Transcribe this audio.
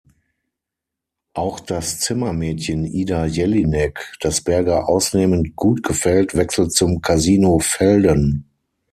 Auch das Zimmermädchen Ida Jellinek, das Berger ausnehmend gut gefällt, wechselt zum „Casino Velden“.